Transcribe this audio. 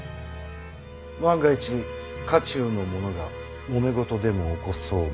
万が一家中の者がもめ事でも起こそうものなら。